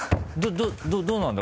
どうなんだ？